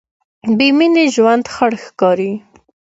بېمینې ژوند خړ ښکاري.